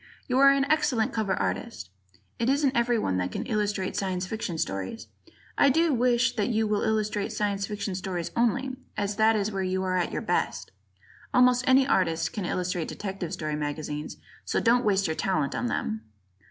You are an excellent cover artist. It isn't everyone that can illustrate Science Fiction stories, I do wish that you will illustrate Science Fiction stories only, as that is where you are at your best. Almost any artist can illustrate detective story magazines, so don't waste your talent on them.